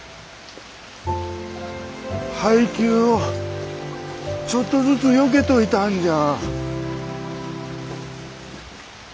配給をちょっとずつよけといたんじゃ。